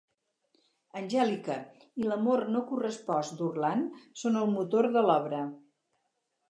Angèlica i l'amor no correspost d'Orland són el motor de l'obra.